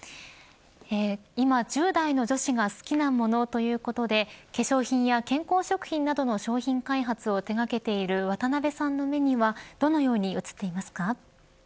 今、１０代の女子が好きなものということで化粧品や健康食品などの商品開発を手掛けている渡辺さんの目にはどのように映っていますか。